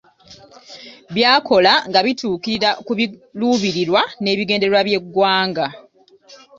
By'akola nga bituukira ku biruubirirwa n’ebigendererwa by’eggwanga.